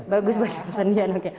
bagus buat persendian